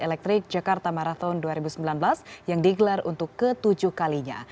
electric jakarta marathon dua ribu sembilan belas yang digelar untuk ke tujuh kalinya